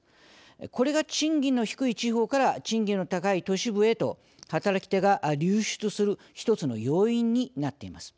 これが賃金の低い地方から賃金の高い都市部へと働き手が流出する一つの要因になっています。